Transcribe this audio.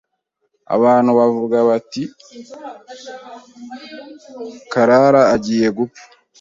abantu bavuga bati clara agiye gupfa,